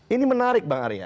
ini menarik bang arya